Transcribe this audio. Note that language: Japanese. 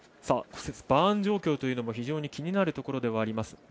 バーン状況というのも非常に気になるところではあります。